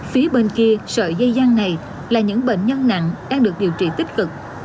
phía bên kia sợi dây gian này là những bệnh nhân nặng đang được điều trị tích cực